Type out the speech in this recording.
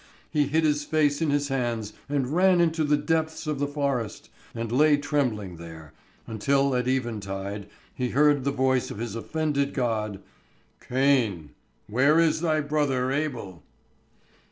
He hid his face in his hands and ran into the depths of the forest, and lay trembling there, until at eventide he heard the voice of his offended God 'Cain, where is thy brother Abel?'"